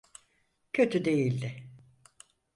Kötü değildi.